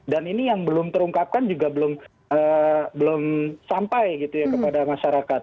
dan ini yang belum terungkapkan juga belum sampai gitu ya kepada masyarakat